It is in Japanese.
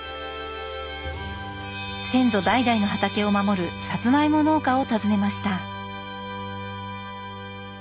先祖代々の畑を守るさつまいも農家を訪ねました。